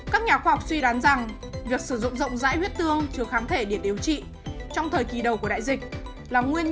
các nhà khoa học suy đoán rằng việc sử dụng rộng rãi huyết tương chứa kháng thể để điều trị trong thời kỳ đầu của đại diện